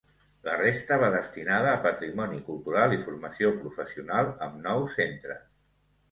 La resta va destinada a patrimoni cultural i formació professional, amb nous centres.